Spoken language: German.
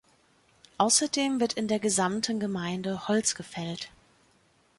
Außerdem wird in der gesamten Gemeinde Holz gefällt.